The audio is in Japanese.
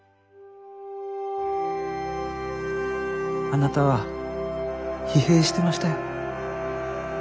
あなたは疲弊してましたよ。